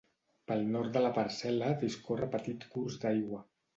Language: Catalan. Pel nord de la parcel·la discorre petit curs d'aigua.